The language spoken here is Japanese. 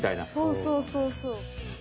そうそうそうそう。